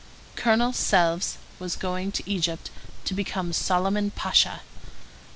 Colonel Selves was going to Egypt to become Soliman Pasha.